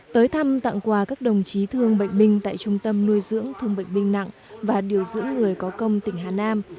tới thăm tặng quà các đồng chí thương bệnh binh tại trung tâm nuôi dưỡng thương bệnh binh nặng và điều dưỡng người có công tỉnh hà nam